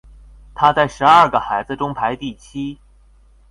他在十二个孩子中排第七。